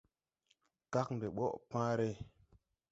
Kagn de ɓɔʼ pããre.